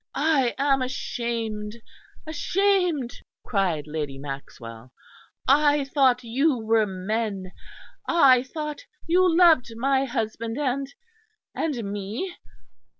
"I am ashamed, ashamed!" cried Lady Maxwell. "I thought you were men. I thought you loved my husband; and and me."